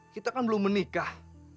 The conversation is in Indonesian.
kita kan belum menikah